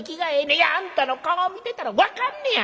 いやあんたの顔見てたら分かんねや！